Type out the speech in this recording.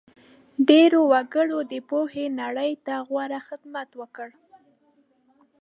ډېرو وګړو د پوهې نړۍ ته غوره خدمت وکړ.